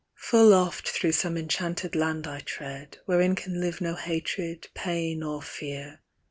Full oft through some enchanted land I tread, Wherein can live no hatred, pain, or fear.